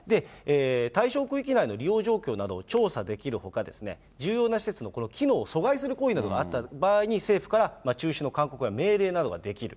対象区域内の利用状況などを調査できるほかですね、重要な施設の機能を阻害する行為などがあった場合に、政府から中止の勧告や命令などができる。